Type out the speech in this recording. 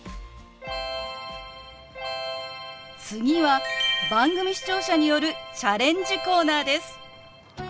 次は番組視聴者によるチャレンジコーナーです。